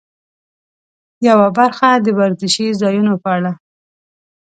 یوه برخه د ورزشي ځایونو په اړه.